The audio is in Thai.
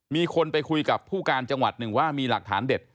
มีคนไปคุยกับผู้การจังหวัดหนึ่งว่ามีหลักฐานเด็ด